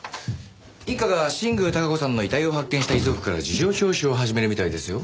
一課が新宮孝子さんの遺体を発見した遺族から事情聴取を始めるみたいですよ。